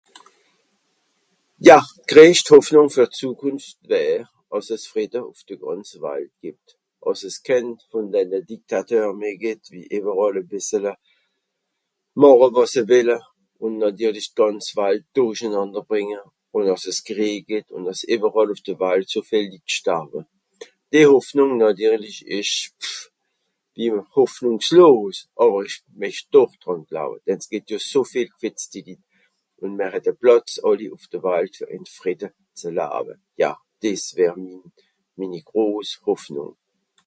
Ja, d'greescht Hoffnùng fer d'Zukunft wär, àss es Fridde ùf de gànz Walt gìbbt, àss es kèn vùn denne Dictateur meh gìtt, wie ìwweràl e bìssele màche wàs se wìlle, ùn nàtirlisch d'gànz Walt dùrichenànder brìnge, ùn àss es Kriej gìtt ùn àss ìwweral ùf de Walt so viel Litt starwe. Dìe Hoffnùng nàtirlisch ìsch, pff... ìmmer hoffnùngslos. Àwer ìch mécht doch dràn glawe, denn's gìbbt jo so viel gfìtzti Litt, ùn m'r het de Plàtz àlli ùf de Walt, fer àlli ìn Fridde ze lawe. Ja, dìs wär min... mini gros Hoffnùng.